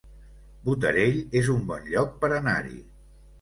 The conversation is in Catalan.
Botarell es un bon lloc per anar-hi